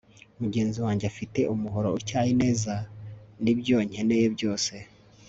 mugenzi wanjye afite umuhoro utyaye neza, nibyo nkeneye byose